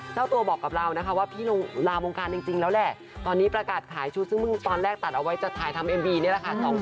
เจ้าตัวบอกกับเรานะคะว่าพี่ลงลาวงการจริงแล้วแหละตอนนี้ประกาศขายชุดซึ่งตอนแรกตัดเอาไว้จะถ่ายทำเอ็มบีนี่แหละค่ะ